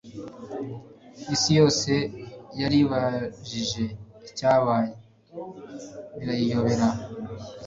Isi yose yaribajije icyabaye birayiyobera